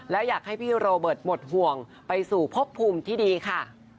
และอยากให้พี่โรเบิร์ตหมดห่วงไปสู่พบภูมิที่ดีค่ะ